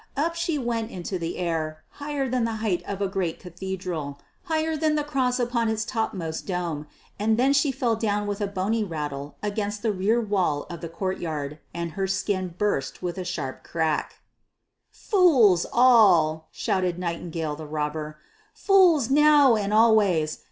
Up she went into the air, higher than the height of a great cathedral, higher than the cross upon its topmost dome, and then she fell down with a bony rattle against the rear wall of the courtyard, and her skin burst with a sharp crack. "Fools all!" shouted Nightingale the Robber. "Fools now and always!